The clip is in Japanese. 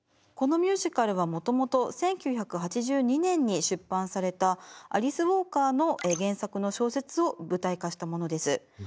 このミュージカルはもともと１９８２年に出版されたアリス・ウォーカーの原作の小説を舞台化したものです。